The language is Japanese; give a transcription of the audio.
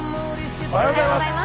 おはようございます。